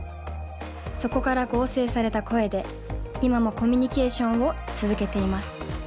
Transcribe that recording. そこから合成された声で今もコミュニケーションを続けています。